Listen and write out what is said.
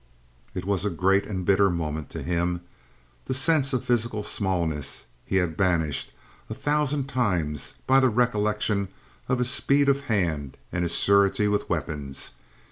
It was a great and a bitter moment to him. The sense of physical smallness he had banished a thousand times by the recollection of his speed of hand and his surety with weapons.